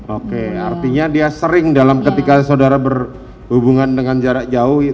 oke artinya dia sering dalam ketika saudara berhubungan dengan jarak jauh